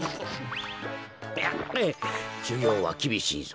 しゅぎょうはきびしいぞ。